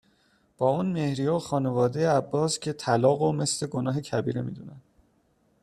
با اون مهریه و خانواده عباس که طالق و مث گناهه کبیره می دونن